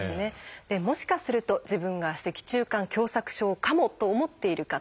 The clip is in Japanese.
もしかすると自分が脊柱管狭窄症かもと思っている方。